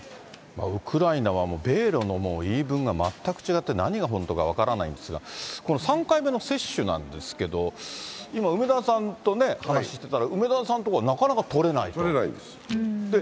ウクライナはもう米ロの言い分が全く違って、何が本当か分からないんですが、この３回目の接種なんですけれども、今、梅沢さんとね、話ししてたら、梅沢さんのところはなかなか取れないと。